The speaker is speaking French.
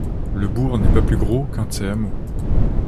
Le bourg n'est pas plus gros qu'un de ces hameaux.